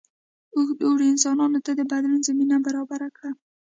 اوږد اوړي انسانانو ته د بدلون زمینه برابره کړه.